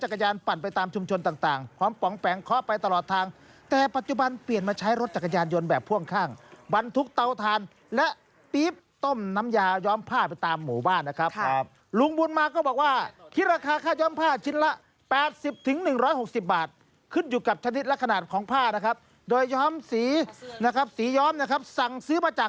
เขาไปตลอดทางแต่ปัจจุบันเปลี่ยนมาใช้รถจักรยานยนต์แบบพ่วงข้างบรรทุกเตาทานและติ๊บต้มน้ำยายอมผ้าไปตามหมู่บ้านนะครับครับลุงบุญมาก็บอกว่าที่ราคาค่ายอมผ้าชิ้นละแปดสิบถึงหนึ่งร้อยหกสิบบาทขึ้นอยู่กับชนิดและขนาดของผ้านะครับโดยยอมสีนะครับสีย้อมนะครับสั่งซื้อมา